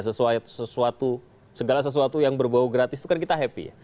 sesuatu segala sesuatu yang berbau gratis itu kan kita happy